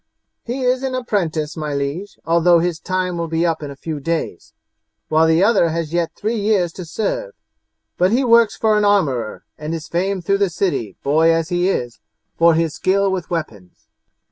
"He is an apprentice, my liege, although his time will be up in a few days, while the other has yet three years to serve, but he works for an armourer, and is famed through the city, boy as he is, for his skill with weapons."